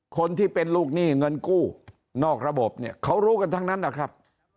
คนที่เป็นลูกหนี้เงินกู้นอกระบบเนี่ยเขารู้กันทั้งนั้นนะครับ